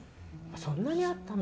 そんなにあったの。